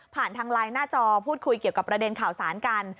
ทางไลน์หน้าจอพูดคุยเกี่ยวกับประเด็นข่าวสารกัน